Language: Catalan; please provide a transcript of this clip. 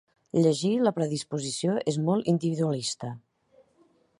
Llegir la predisposició és molt individualista.